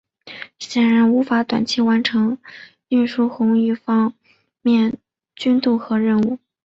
显然无法短期完成运输红一方面军渡河任务。